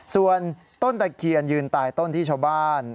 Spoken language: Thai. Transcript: ส่วนต้นตะเคียนยืนตายต้นที่ชาวบ้าน